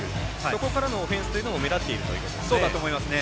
そこからのオフェンスというのも目立っているということですね。